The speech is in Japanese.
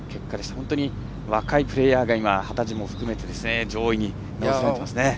本当に若いプレーヤーが二十歳も含めて上位に名を連ねてますね。